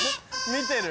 見てる？